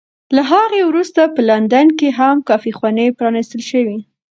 له هغې وروسته په لندن کې هم کافي خونې پرانېستل شوې.